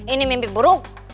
ini mimpi buruk